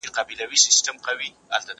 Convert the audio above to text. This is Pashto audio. زه به سبا د هنرونو تمرين کوم!